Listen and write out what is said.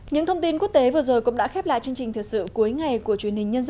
những thông tin quốc tế vừa rồi cũng đã khép lại chương trình thực sự